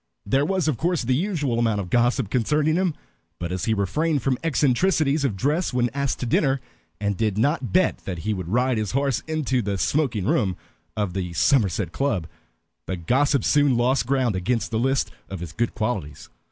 There was of course the usual amount of gossip concerning him, but as he refrained from eccentricities of dress when asked to dinner, and did not bet that he would ride his horse into the smoking room of the Somerset Club, the gossip soon lost ground against the list of his good qualities.